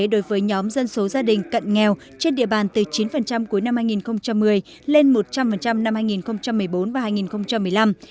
đối với nhóm dân số gia đình cận nghèo trên địa bàn từ chín cuối năm hai nghìn một mươi lên một trăm linh năm hai nghìn một mươi bốn và hai nghìn một mươi năm